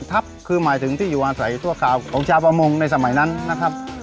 ทัพคือหมายถึงที่อยู่อาศัยชั่วคราวของชาวประมงในสมัยนั้นนะครับ